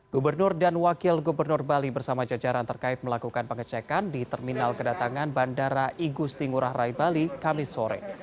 gubernur dan wakil gubernur bali bersama jajaran terkait melakukan pengecekan di terminal kedatangan bandara igusti ngurah rai bali kamisore